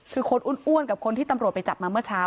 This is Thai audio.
คือคนอ้วนกับคนที่ตำรวจไปจับมาเมื่อเช้า